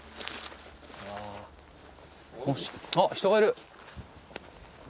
あっ人がいる。